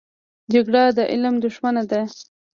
جګړه د علم دښمنه ده